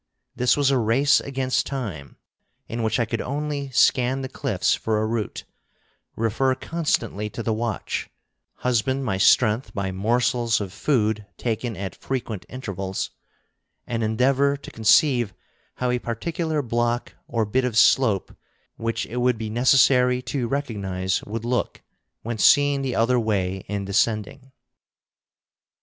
This was a race against time, in which I could only scan the cliffs for a route, refer constantly to the watch, husband my strength by morsels of food taken at frequent intervals, and endeavor to conceive how a particular block or bit of slope which it would be necessary to recognize would look when seen the other way in descending....